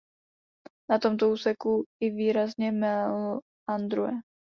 Na tomto úseku i výrazně meandruje.